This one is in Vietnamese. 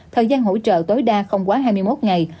thời gian hỗ trợ tối đa không quá hai mươi một ngày